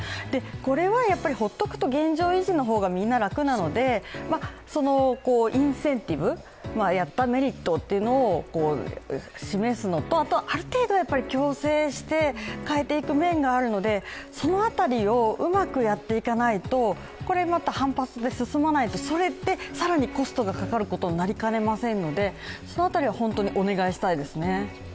これは放っておくと現状維持の方がみんな楽なのでそのインセンティブやったメリットっていうのを示すのとある程度強制して変えていく面があるので、その辺りをうまくやっていかないと、これまた反発で進まないと、それで更にコストがかかることになりかねませんのでその辺りは本当にお願いしたいですね。